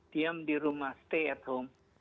diam di rumah stay at home